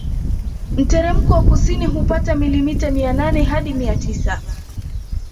Mteremko wa kusini hupata milimita mia nane hadi mia tisa